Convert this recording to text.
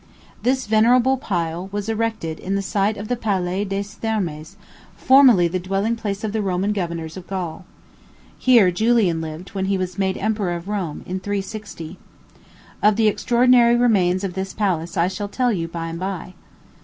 This venerable pile was erected on the site of the Palais des Thermes, formerly the dwelling place of the Roman governors of Gaul. Here Julian lived when he was made emperor of Rome, in 360. Of the extraordinary remains of this palace I shall tell you by and by.